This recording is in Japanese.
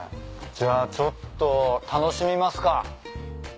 じゃあちょっと楽しみますか。